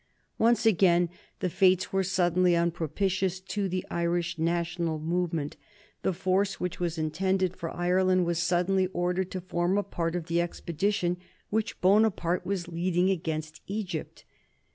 Once again the fates were suddenly unpropitious to the Irish national movement. The force which was intended for Ireland was suddenly ordered to form a part of the expedition which Bonaparte was leading against Egypt.